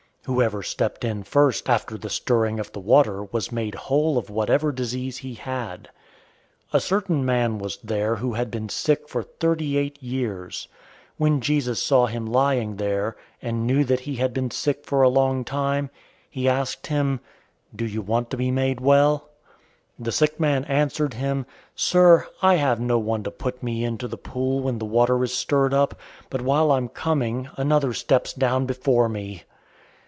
Whoever stepped in first after the stirring of the water was made whole of whatever disease he had. 005:005 A certain man was there, who had been sick for thirty eight years. 005:006 When Jesus saw him lying there, and knew that he had been sick for a long time, he asked him, "Do you want to be made well?" 005:007 The sick man answered him, "Sir, I have no one to put me into the pool when the water is stirred up, but while I'm coming, another steps down before me."